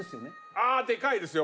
ああでかいですよ！